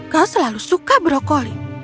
kau selalu suka brokoli